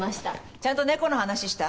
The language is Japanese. ちゃんと猫の話した？